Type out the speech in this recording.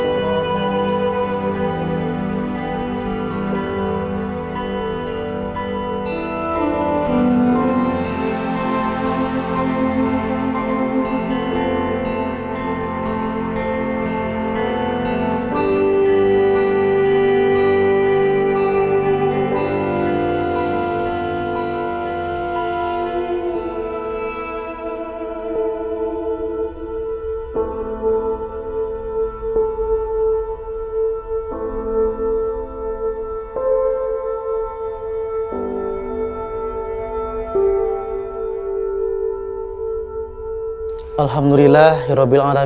alhamdulillahirrabbilalamin pembacaan doa yang tadi disampaikan oleh kisah kisah allah